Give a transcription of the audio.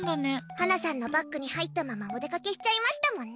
ハナさんのバッグに入ったままお出かけしちゃいましたもんね。